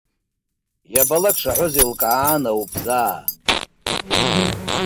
Иабалак шаҳәоз еилкаан ауп заа.